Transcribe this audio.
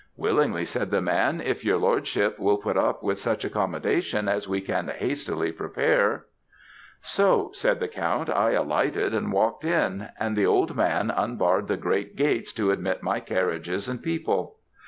"'Willingly,' said the man, 'if your lordship will put up with such accommodation as we can hastily prepare.' "'So,' said the count, 'I alighted and walked in; and the old man unbarred the great gates to admit my carriages and people.